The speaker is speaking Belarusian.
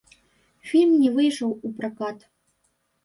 Фільм не выйшаў у пракат.